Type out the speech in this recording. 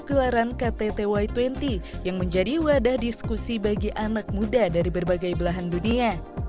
gelaran ktt y dua puluh yang menjadi wadah diskusi bagi anak muda dari berbagai belahan dunia